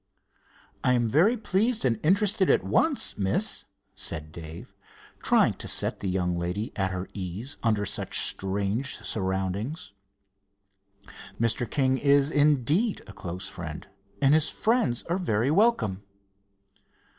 "I am pleased and interested at once, Miss," said Dave, trying to set the young lady at her ease under such strange surroundings. "Mr. King is, indeed, a close friend, and his friends are very welcome."